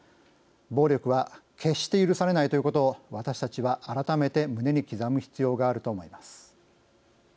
暴力は決して許されないということを私たちは改めて胸に刻む必要があると思います。